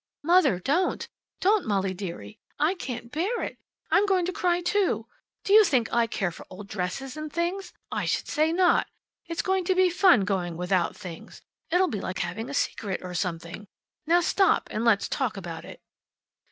"Mother, don't! Don't Molly dearie. I can't bear it. I'm going to cry too. Do you think I care for old dresses and things? I should say not. It's going to be fun going without things. It'll be like having a secret or something. Now stop, and let's talk about it."